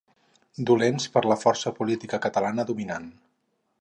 Dolents per a la força política catalana dominant.